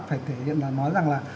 phải thể hiện là nói rằng là